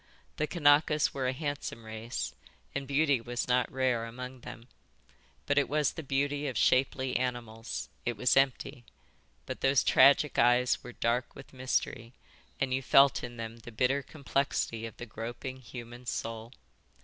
The Kanakas were a handsome race, and beauty was not rare among them, but it was the beauty of shapely animals. It was empty. But those tragic eyes were dark with mystery, and you felt in them the bitter complexity of the groping, human soul.